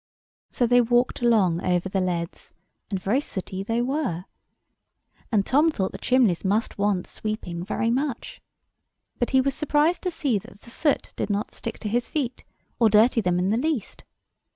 So they walked along over the leads, and very sooty they were, and Tom thought the chimneys must want sweeping very much. But he was surprised to see that the soot did not stick to his feet, or dirty them in the least.